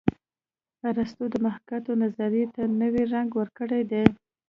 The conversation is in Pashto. ارستو د محاکات نظریې ته نوی رنګ ورکړی دی